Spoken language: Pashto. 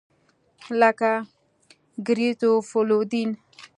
لکه ګریزوفولوین.